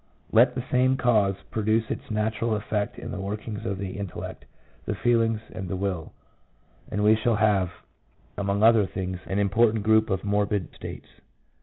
Let the same cause produce its natural effects in the workings of the intellect, the feelings, and the will, and we shall have, among other things, an important group of morbid ... states.